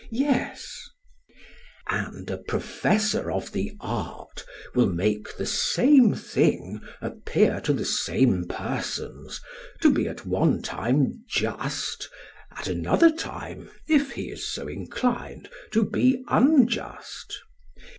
SOCRATES: And a professor of the art will make the same thing appear to the same persons to be at one time just, at another time, if he is so inclined, to be unjust?